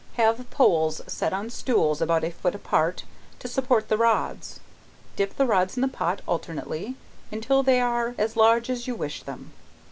Have poles set on stools about a foot apart, to support the rods, dip the rods in the pot, alternately, until they are as large as you wish them.